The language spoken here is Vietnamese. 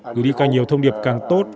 gửi đi càng nhiều thông điệp càng tốt